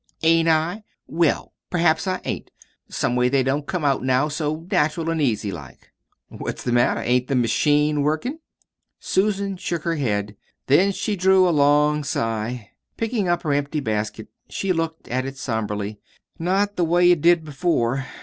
"Ain't I? Well, perhaps I ain't. Some way, they don't come out now so natural an' easy like." "What's the matter? Ain't the machine workin'?" Susan shook her head. Then she drew a long sigh. Picking up her empty basket she looked at it somberly. "Not the way it did before.